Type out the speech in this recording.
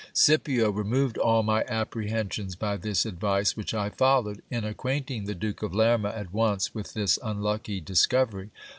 Scipio removed all my apprehensions by this advice, which I followed, in acquainting the Duke of Lerma at once with this unlucky discovery.